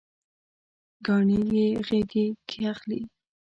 کاڼي یې غیږکې اخلي